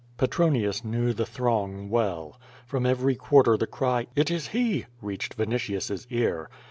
Petronius knew the throng well. From every quarter the cry: "It is he,'' reached Vinitius's ear.